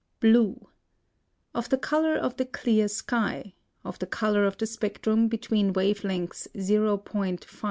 BLUE. Of the color of the clear sky; of the color of the spectrum between wave lengths .